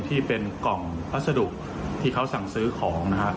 ที่เป็นกล่องพัสดุที่เขาสั่งซื้อของนะครับ